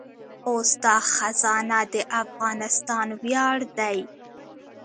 اوس دا خزانه د افغانستان ویاړ دی